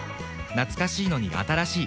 懐かしいのに新しい。